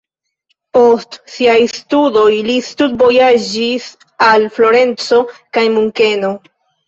Post siaj studoj li studvojaĝis al Florenco kaj Munkeno.